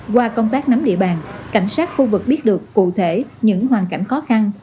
qua công tác nắm địa bàn cảnh sát khu vực biết được cụ thể những hoàn cảnh khó khăn